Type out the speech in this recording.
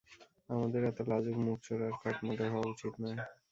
আমাদের এত লাজুক, মুখচোরা আর খটমটে হওয়া উচিৎ নয়।